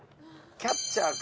キャッチャーか。